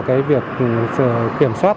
cái việc kiểm soát